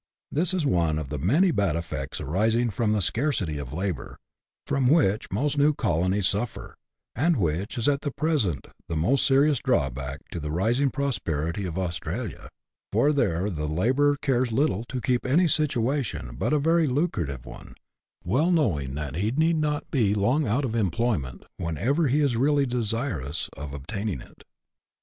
This is one of the many bad effects arising from the scarcity of labour, from which most new colonies suffer, and which is at present the most serious drawback to the rising prosperity of Australia ; for there the labourer cares little to keep any situa tion but a very lucrative one, well knowing that he need not be long out of employment whenever he is really desirous of ob taining it.